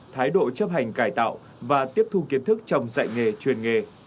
thái độ chấp hành cải tạo và tiếp thu kiến thức trong dạy nghề truyền nghề